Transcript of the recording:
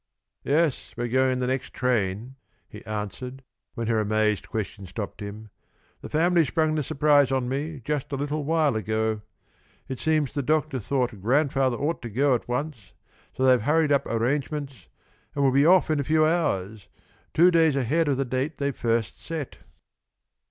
"Yes, we're going on the next train," he answered, when her amazed question stopped him. "The family sprung the surprise on me just a little while ago. It seems the doctor thought grandfather ought to go at once, so they've hurried up arrangements, and we'll be off in a few hours, two days ahead of the date they first set."